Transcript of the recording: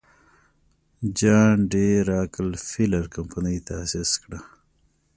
جان ډي راکلفیلر کمپنۍ تاسیس کړه.